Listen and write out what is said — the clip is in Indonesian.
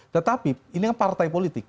tetapi ini kan partai politik